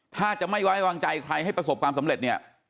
ถ้าจะไม่ไว้วางใจใครให้ประสบความสำเร็จเนี่ย